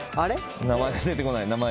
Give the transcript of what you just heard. ・名前が出てこない。